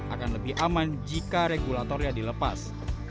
akan lebih aman jika regulatornya dilepas